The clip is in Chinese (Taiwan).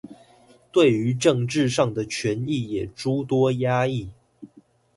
對於政治上的權益也諸多壓抑